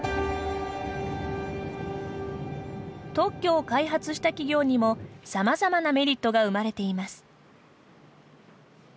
特許を開発した企業にもさまざまなメリットが生まれています。